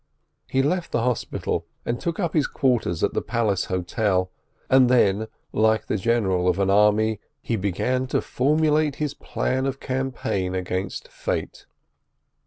He left the hospital and took up his quarters at the Palace Hotel, and then, like the General of an army, he began to formulate his plan of campaign against Fate.